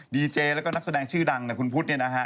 ดีเจและก็นักแสดงชื่อดังคุณพุธนี่นะฮะ